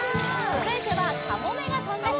続いては「かもめが翔んだ日」